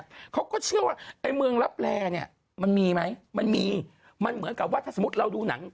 เขาก็เชื่อว่าไอ้เมืองรับแร่เนี่ยมันมีไหมมันมีมันเหมือนกับว่าถ้าสมมุติเราดูหนัง